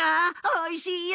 おいしいよ！